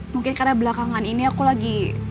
mungkin karena belakangan ini aku lagi